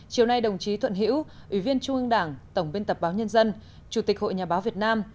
chiều nay đồng chí thuận hiễu ủy viên trung ương đảng tổng biên tập báo nhân dân chủ tịch hội nhà báo việt nam